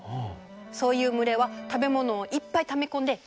そういう群れは食べ物をいっぱいため込んで余裕がある。